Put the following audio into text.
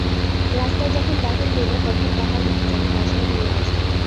রাস্তায় যখন বাহির হইল তখন তাহার মন যেন অসাড় হইয়া গেছে।